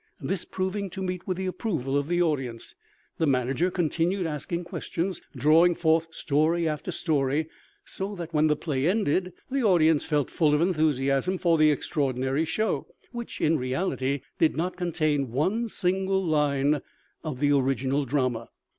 This proving to meet with the approval of the audience, the manager continued asking questions, drawing forth story after story, so that when the play ended the audience felt full of enthusiasm for the extraordinary show, which in reality did not contain one single line of the original drama.